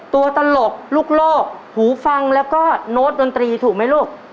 ตลกลูกโลกหูฟังแล้วก็โน้ตดนตรีถูกไหมลูก